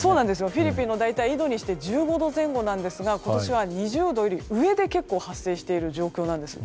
フィリピンの緯度にして１５度前後ですが今年は２０度より上で結構発生している状況なんです。